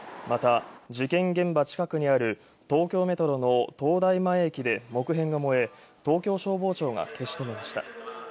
また、事件現場近くにある東京メトロの東大前駅で木片が燃え東京消防庁が消し止めました。